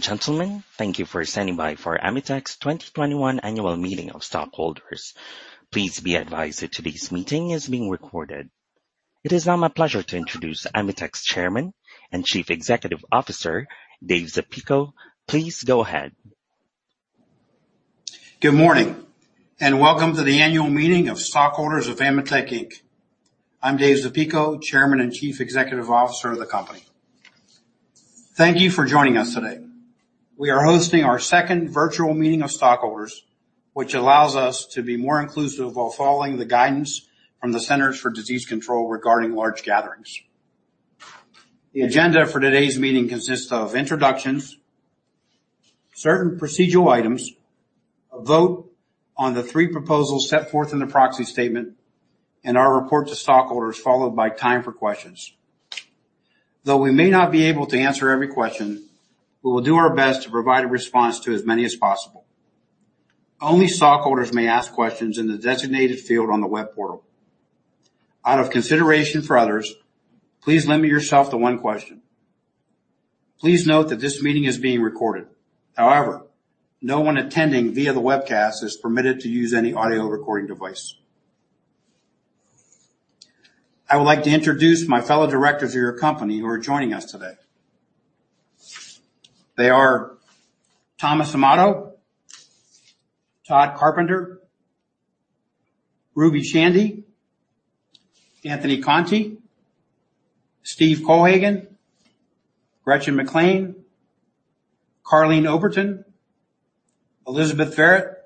Gentlemen, thank you for standing by for AMETEK's 2021 Annual Meeting of Stockholders. Please be advised that today's meeting is being recorded. It is now my pleasure to introduce AMETEK's Chairman and Chief Executive Officer, Dave Zapico. Please go ahead. Good morning, welcome to the Annual Meeting of Stockholders of AMETEK, Inc. I'm Dave Zapico, Chairman and Chief Executive Officer of the company. Thank you for joining us today. We are hosting our second virtual meeting of stockholders, which allows us to be more inclusive while following the guidance from the Centers for Disease Control and Prevention regarding large gatherings. The agenda for today's meeting consists of introductions, certain procedural items, a vote on the three proposals set forth in the proxy statement, and our report to stockholders, followed by time for questions. Though we may not be able to answer every question, we will do our best to provide a response to as many as possible. Only stockholders may ask questions in the designated field on the web portal. Out of consideration for others, please limit yourself to one question. Please note that this meeting is being recorded. However, no one attending via the webcast is permitted to use any audio recording device. I would like to introduce my fellow directors of your company who are joining us today. They are Thomas Amato, Tod Carpenter, Ruby Chandy, Anthony Conti, Steve Kohlhagen, Gretchen McClain, Karleen Oberton, Elizabeth Varet,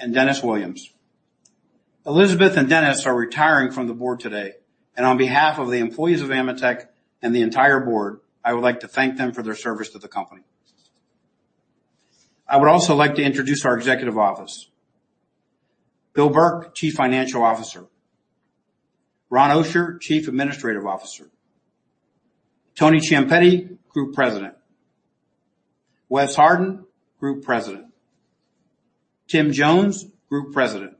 and Dennis Williams. Elizabeth and Dennis are retiring from the board today, and on behalf of the employees of AMETEK and the entire board, I would like to thank them for their service to the company. I would also like to introduce our executive office. William Burke, Chief Financial Officer, Ronald Oscher, Chief Administrative Officer, Tony Ciampitti, Group President, Wes Hardin, Group President, Tim Jones, Group President,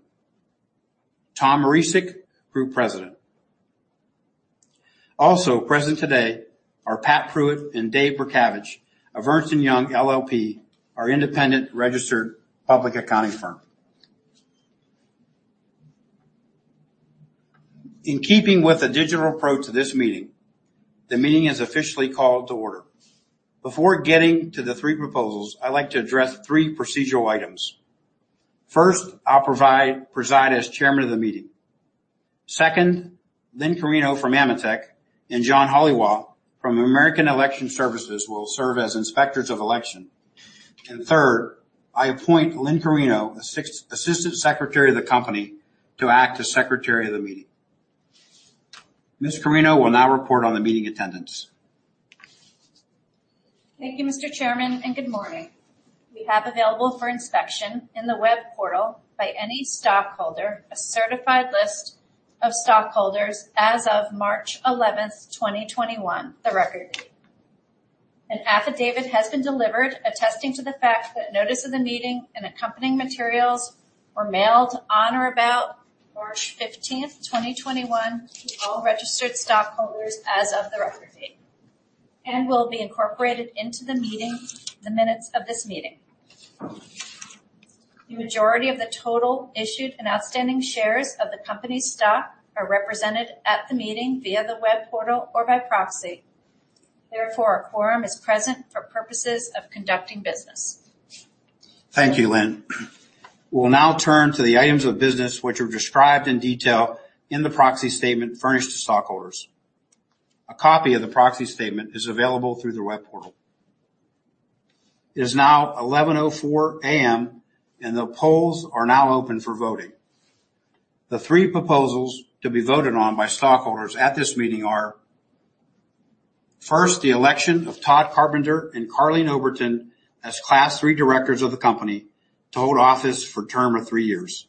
Tom Marecic, Group President. Also present today are Pat Pruitt and Dave Berkovich of Ernst & Young LLP, our independent registered public accounting firm. In keeping with the digital approach of this meeting, the meeting is officially called to order. Before getting to the three proposals, I'd like to address three procedural items. First, I'll preside as chairman of the meeting. Second, Lynn Carino from AMETEK and John Halliwell from American Election Services will serve as inspectors of election. Third, I appoint Lynn Carino, Assistant Secretary of the Company, to act as Secretary of the Meeting. Ms. Carino will now report on the meeting attendance. Thank you, Mr. Chairman, and good morning. We have available for inspection in the web portal by any stockholder, a certified list of stockholders as of March 11th, 2021, the record date. An affidavit has been delivered attesting to the fact that notice of the meeting and accompanying materials were mailed on or about March 15th, 2021, to all registered stockholders as of the record date, and will be incorporated into the minutes of this meeting. The majority of the total issued and outstanding shares of the company's stock are represented at the meeting via the web portal or by proxy. Therefore, a quorum is present for purposes of conducting business. Thank you, Lynn. We'll now turn to the items of business, which are described in detail in the proxy statement furnished to stockholders. A copy of the proxy statement is available through the web portal. It is now 11:04 A.M., and the polls are now open for voting. The three proposals to be voted on by stockholders at this meeting are, first, the election of Tod Carpenter and Karleen Oberton as Class III directors of the company to hold office for a term of three years.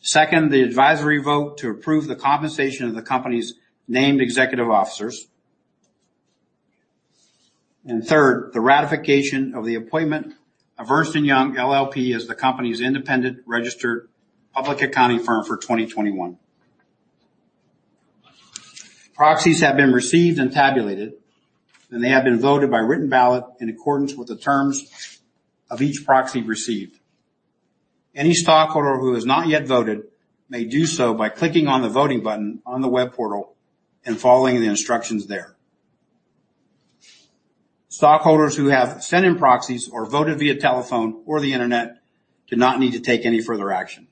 Second, the advisory vote to approve the compensation of the company's named executive officers. Third, the ratification of the appointment of Ernst & Young LLP as the company's independent registered public accounting firm for 2021. Proxies have been received and tabulated, and they have been voted by written ballot in accordance with the terms of each proxy received. Any stockholder who has not yet voted may do so by clicking on the voting button on the web portal and following the instructions there. Stockholders who have sent in proxies or voted via telephone or the Internet do not need to take any further action.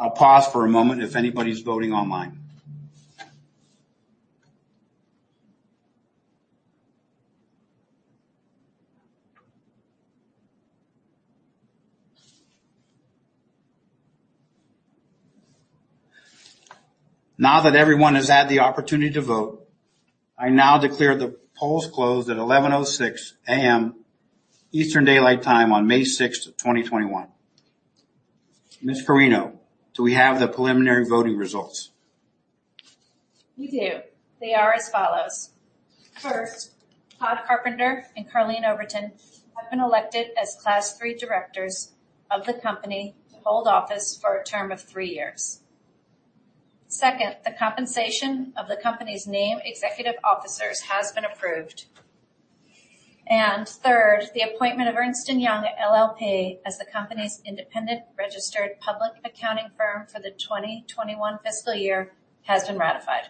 I'll pause for a moment if anybody's voting online. Now that everyone has had the opportunity to vote, I now declare the polls closed at 11:06 A.M. Eastern Daylight Time on May 6th, 2021. Ms. Carino, do we have the preliminary voting results? We do. They are as follows. First, Tod Carpenter and Karleen Oberton have been elected as Class III directors of the company to hold office for a term of three years. Second, the compensation of the company's named executive officers has been approved. Third, the appointment of Ernst & Young LLP as the company's independent registered public accounting firm for the 2021 fiscal year has been ratified.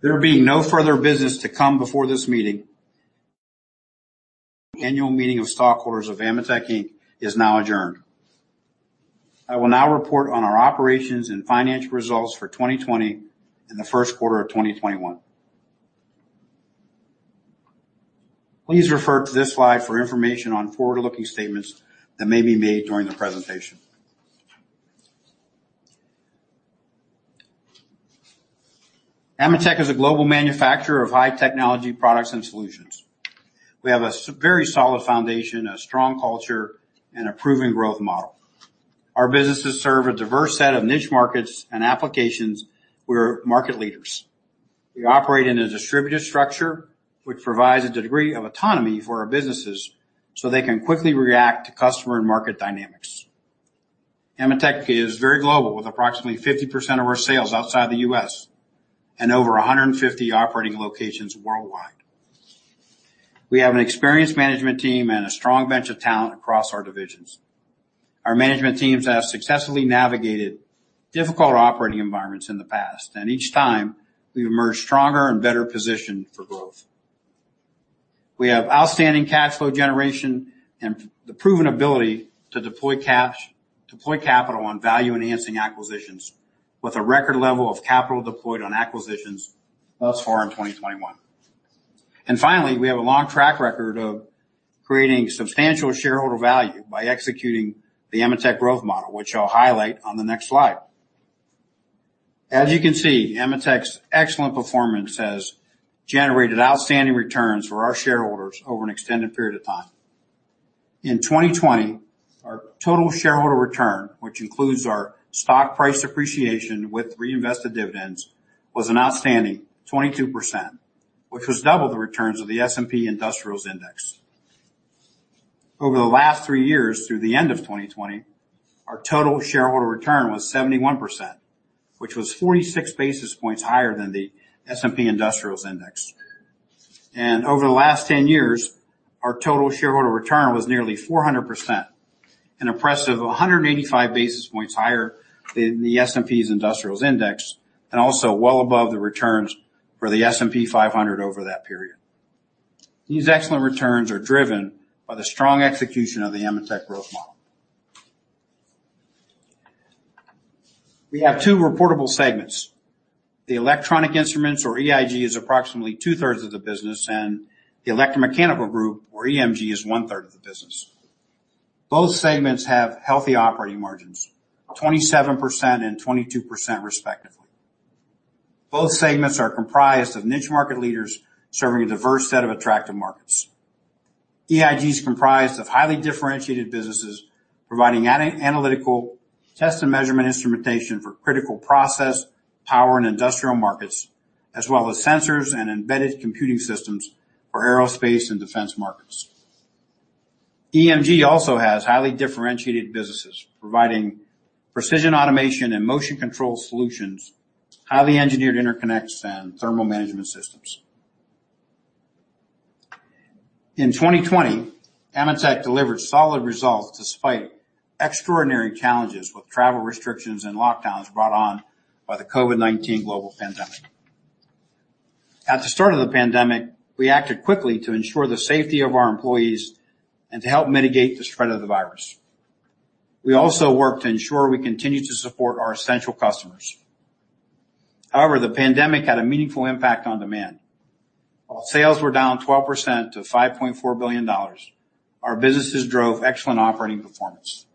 There being no further business to come before this meeting, annual meeting of stockholders of AMETEK, Inc. is now adjourned. I will now report on our operations and financial results for 2020 and the first quarter of 2021. Please refer to this slide for information on forward-looking statements that may be made during the presentation. AMETEK is a global manufacturer of high-technology products and solutions. We have a very solid foundation, a strong culture, and a proven growth model. Our businesses serve a diverse set of niche markets and applications. We're market leaders. We operate in a distributed structure, which provides a degree of autonomy for our businesses so they can quickly react to customer and market dynamics. AMETEK is very global, with approximately 50% of our sales outside the U.S. and over 150 operating locations worldwide. We have an experienced management team and a strong bench of talent across our divisions. Our management teams have successfully navigated difficult operating environments in the past, and each time, we've emerged stronger and better positioned for growth. We have outstanding cash flow generation and the proven ability to deploy capital on value-enhancing acquisitions, with a record level of capital deployed on acquisitions thus far in 2021. Finally, we have a long track record of creating substantial shareholder value by executing the AMETEK growth model, which I'll highlight on the next slide. As you can see, AMETEK's excellent performance has generated outstanding returns for our shareholders over an extended period of time. In 2020, our total shareholder return, which includes our stock price appreciation with reinvested dividends, was an outstanding 22%, which was double the returns of the S&P Industrials Index. Over the last three years through the end of 2020, our total shareholder return was 71%, which was 46 basis points higher than the S&P Industrials Index. Over the last 10 years, our total shareholder return was nearly 400%, an impressive 185 basis points higher than the S&P Industrials Index. Also well above the returns for the S&P 500 over that period. These excellent returns are driven by the strong execution of the AMETEK growth model. We have two reportable segments. The Electronic Instruments, or EIG, is approximately 2/3 of the business, and the Electromechanical Group, or EMG, is 1/3 of the business. Both segments have healthy operating margins, 27% and 22% respectively. Both segments are comprised of niche market leaders serving a diverse set of attractive markets. EIG is comprised of highly differentiated businesses, providing analytical test and measurement instrumentation for critical process, power, and industrial markets, as well as sensors and embedded computing systems for aerospace and defense markets. EMG also has highly differentiated businesses, providing precision automation and motion control solutions, highly engineered interconnects, and thermal management systems. In 2020, AMETEK delivered solid results despite extraordinary challenges with travel restrictions and lockdowns brought on by the COVID-19 global pandemic. At the start of the pandemic, we acted quickly to ensure the safety of our employees and to help mitigate the spread of the virus. We also worked to ensure we continued to support our essential customers. However, the pandemic had a meaningful impact on demand. While sales were down 12% to $5.4 billion, our businesses drove excellent operating performance.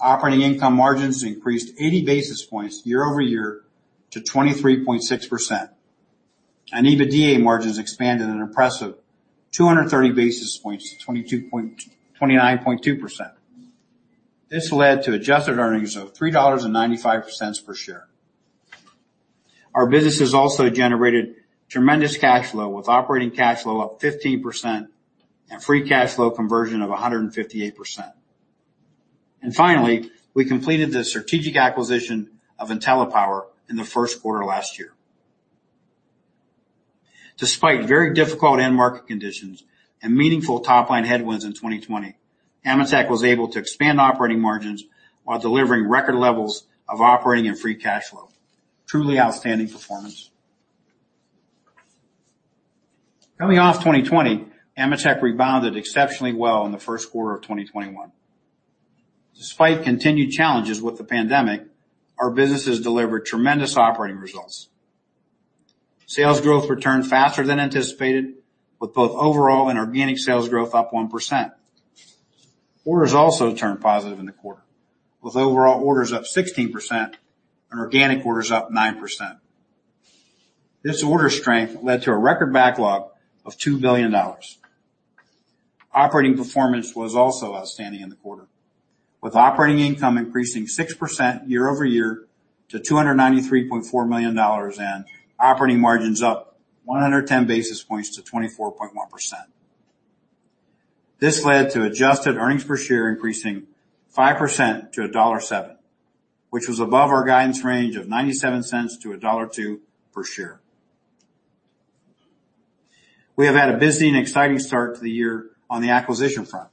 Operating income margins increased 80 basis points year-over-year to 23.6%. EBITDA margins expanded an impressive 230 basis points to 29.2%. This led to adjusted earnings of $3.95 per share. Our businesses also generated tremendous cash flow, with operating cash flow up 15% and free cash flow conversion of 158%. Finally, we completed the strategic acquisition of IntelliPower in the first quarter last year. Despite very difficult end-market conditions and meaningful top-line headwinds in 2020, AMETEK was able to expand operating margins while delivering record levels of operating and free cash flow. Truly outstanding performance. Coming off 2020, AMETEK rebounded exceptionally well in the first quarter of 2021. Despite continued challenges with the pandemic, our businesses delivered tremendous operating results. Sales growth returned faster than anticipated, with both overall and organic sales growth up 1%. Orders also turned positive in the quarter, with overall orders up 16% and organic orders up 9%. This order strength led to a record backlog of $2 billion. Operating performance was also outstanding in the quarter, with operating income increasing 6% year-over-year to $293.4 million and operating margins up 110 basis points to 24.1%. This led to adjusted earnings per share increasing 5% to $1.07, which was above our guidance range of $0.97-$1.02 per share. We have had a busy and exciting start to the year on the acquisition front.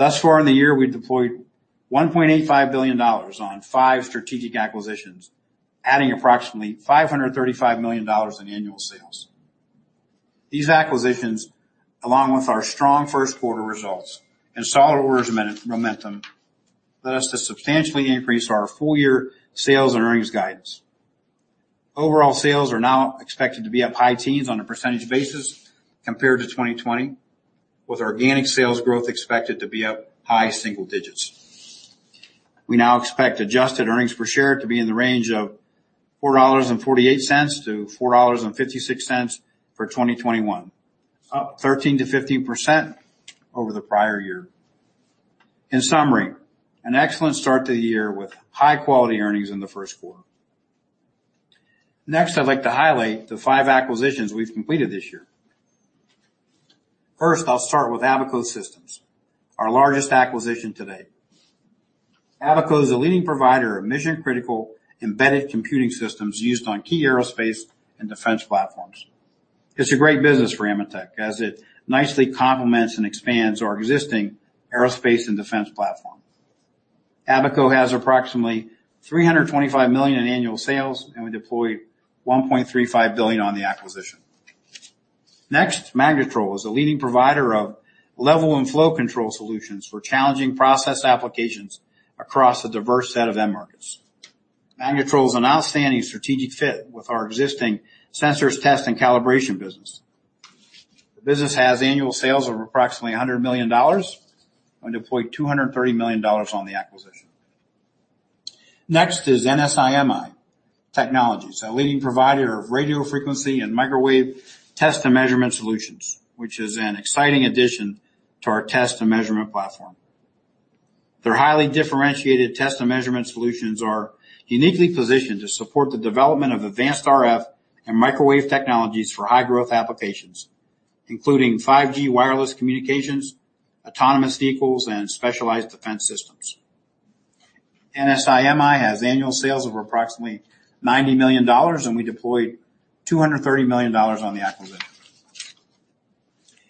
Thus far in the year, we deployed $1.85 billion on five strategic acquisitions, adding approximately $535 million in annual sales. These acquisitions, along with our strong first quarter results and solid orders momentum, led us to substantially increase our full-year sales and earnings guidance. Overall, sales are now expected to be up high teens on a percent basis compared to 2020, with organic sales growth expected to be up high single digits. We now expect adjusted earnings per share to be in the range of $4.48-$4.56 for 2021, up 13%-15% over the prior year. In summary, an excellent start to the year with high-quality earnings in the first quarter. Next, I'd like to highlight the five acquisitions we've completed this year. First, I'll start with Abaco Systems, our largest acquisition to date. Abaco is a leading provider of mission-critical embedded computing systems used on key aerospace and defense platforms. It's a great business for AMETEK, as it nicely complements and expands our existing aerospace and defense platform. Abaco has approximately $325 million in annual sales, and we deployed $1.35 billion on the acquisition. Next, Magnetrol is a leading provider of level and flow control solutions for challenging process applications across a diverse set of end markets. Magnetrol is an outstanding strategic fit with our existing sensors test and calibration business. The business has annual sales of approximately $100 million, and deployed $230 million on the acquisition. Next is NSI-MI Technologies, a leading provider of radio frequency and microwave test and measurement solutions, which is an exciting addition to our test and measurement platform. Their highly differentiated test and measurement solutions are uniquely positioned to support the development of advanced RF and microwave technologies for high-growth applications, including 5G wireless communications, autonomous vehicles, and specialized defense systems. NSI-MI has annual sales of approximately $90 million, and we deployed $230 million on the acquisition.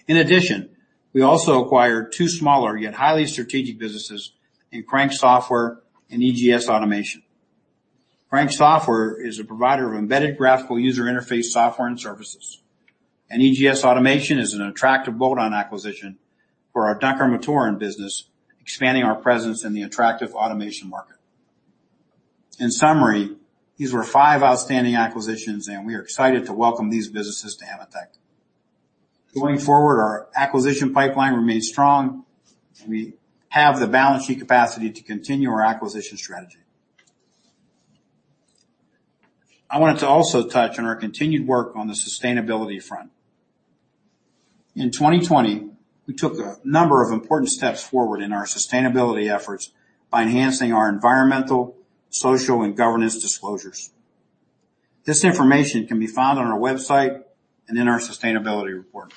In addition, we also acquired two smaller, yet highly strategic businesses in Crank Software and EGS Automation. Crank Software is a provider of embedded graphical user interface software and services. EGS Automation is an attractive bolt-on acquisition for our Dunkermotoren business, expanding our presence in the attractive automation market. In summary, these were five outstanding acquisitions, and we are excited to welcome these businesses to AMETEK. Going forward, our acquisition pipeline remains strong, and we have the balance sheet capacity to continue our acquisition strategy. I wanted to also touch on our continued work on the sustainability front. In 2020, we took a number of important steps forward in our sustainability efforts by enhancing our environmental, social, and governance disclosures. This information can be found on our website and in our sustainability report.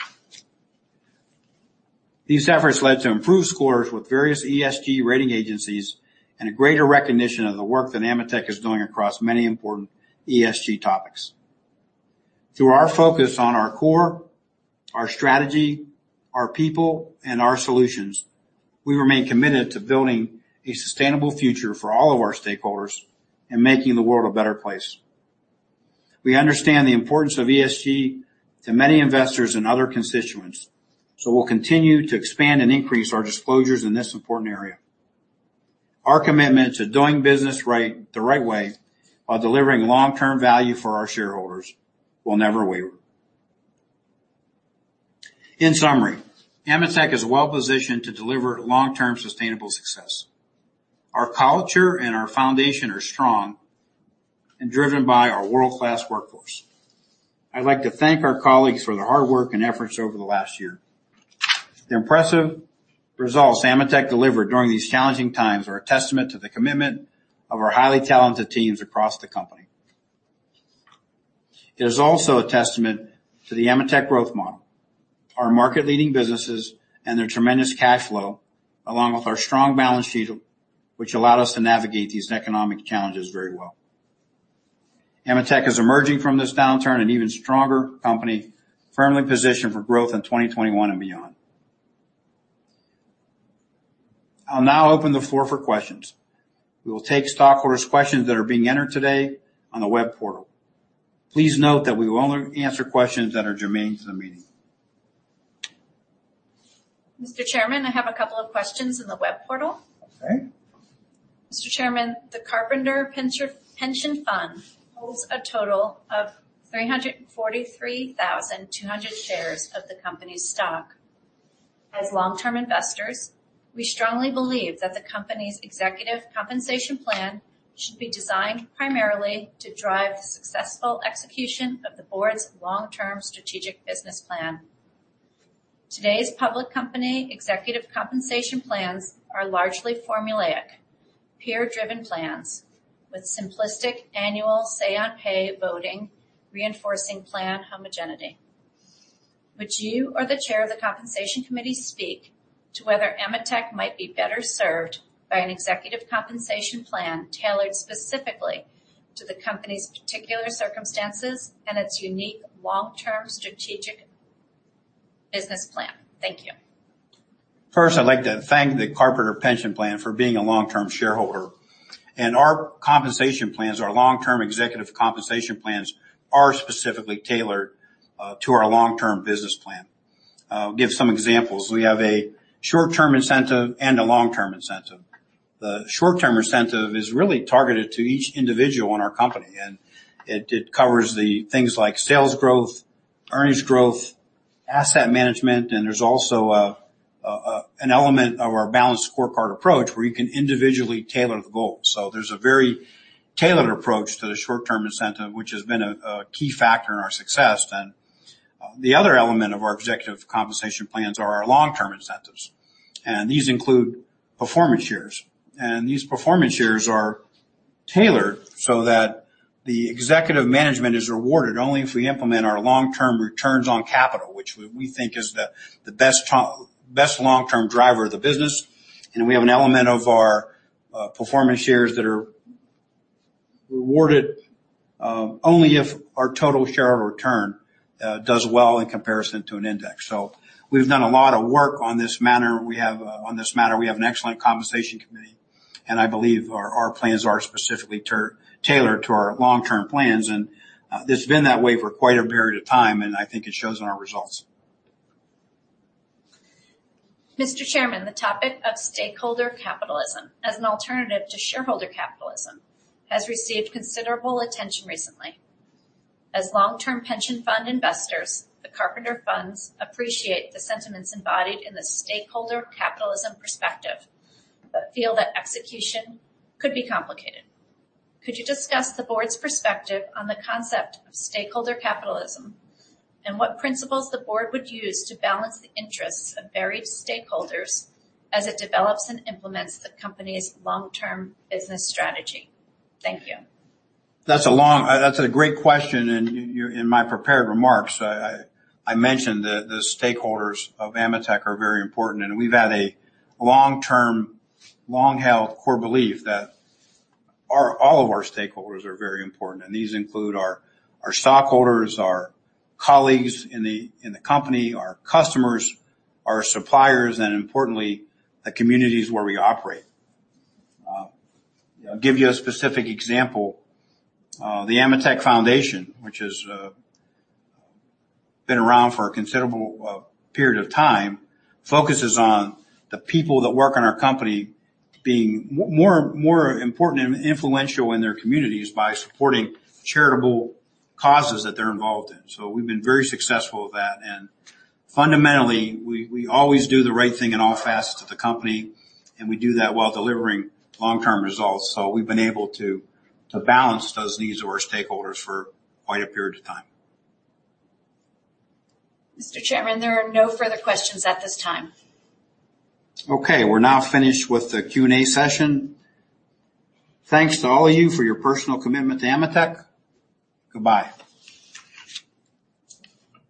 These efforts led to improved scores with various ESG rating agencies and a greater recognition of the work that AMETEK is doing across many important ESG topics. Through our focus on our core, our strategy, our people, and our solutions, we remain committed to building a sustainable future for all of our stakeholders in making the world a better place. We understand the importance of ESG to many investors and other constituents, so we'll continue to expand and increase our disclosures in this important area. Our commitment to doing business right the right way while delivering long-term value for our shareholders will never waver. In summary, AMETEK is well-positioned to deliver long-term sustainable success. Our culture and our foundation are strong and driven by our world-class workforce. I'd like to thank our colleagues for their hard work and efforts over the last year. The impressive results AMETEK delivered during these challenging times are a testament to the commitment of our highly talented teams across the company. It is also a testament to the AMETEK growth model, our market-leading businesses, and their tremendous cash flow, along with our strong balance sheet, which allowed us to navigate these economic challenges very well. AMETEK is emerging from this downturn an even stronger company, firmly positioned for growth in 2021 and beyond. I'll now open the floor for questions. We will take stockholders' questions that are being entered today on the web portal. Please note that we will only answer questions that are germane to the meeting. Mr. Chairman, I have a couple of questions in the web portal. Okay. Mr. Chairman, the Carpenter Pension Fund holds a total of 343,200 shares of the company's stock. As long-term investors, we strongly believe that the company's executive compensation plan should be designed primarily to drive the successful execution of the board's long-term strategic business plan. Today's public company executive compensation plans are largely formulaic peer-driven plans with simplistic annual say on pay voting, reinforcing plan homogeneity. Would you or the chair of the compensation committee speak to whether AMETEK might be better served by an executive compensation plan tailored specifically to the company's particular circumstances and its unique long-term strategic business plan? Thank you. First, I'd like to thank the Carpenter Pension Fund for being a long-term shareholder. Our compensation plans, our long-term executive compensation plans are specifically tailored to our long-term business plan. I'll give some examples. We have a short-term incentive and a long-term incentive. The short-term incentive is really targeted to each individual in our company, and it covers the things like sales growth, earnings growth, asset management, and there's also an element of our balanced scorecard approach where you can individually tailor the goals. There's a very tailored approach to the short-term incentive, which has been a key factor in our success. The other element of our executive compensation plans are our long-term incentives, and these include performance shares. These performance shares are tailored so that the executive management is rewarded only if we implement our long-term returns on capital, which we think is the best long-term driver of the business. We have an element of our performance shares that are rewarded only if our total share of return does well in comparison to an index. We've done a lot of work on this matter. On this matter, we have an excellent compensation committee, and I believe our plans are specifically tailored to our long-term plans, and it's been that way for quite a period of time, and I think it shows in our results. Mr. Chairman, the topic of stakeholder capitalism as an alternative to shareholder capitalism has received considerable attention recently. As long-term pension fund investors, the Carpenter funds appreciate the sentiments embodied in the stakeholder capitalism perspective but feel that execution could be complicated. Could you discuss the board's perspective on the concept of stakeholder capitalism and what principles the board would use to balance the interests of varied stakeholders as it develops and implements the company's long-term business strategy? Thank you. That's a great question. In my prepared remarks, I mentioned that the stakeholders of AMETEK are very important. We've had a long-term, long-held core belief that all of our stakeholders are very important. These include our stockholders, our colleagues in the company, our customers, our suppliers, and importantly, the communities where we operate. I'll give you a specific example. The AMETEK Foundation, which has been around for a considerable period of time, focuses on the people that work in our company being more important and influential in their communities by supporting charitable causes that they're involved in. We've been very successful with that. Fundamentally, we always do the right thing in all facets of the company. We do that while delivering long-term results. We've been able to balance those needs of our stakeholders for quite a period of time. Mr. Chairman, there are no further questions at this time. Okay, we're now finished with the Q&A session. Thanks to all of you for your personal commitment to AMETEK. Goodbye.